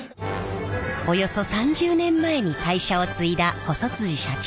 およそ３０年前に会社を継いだ細社長。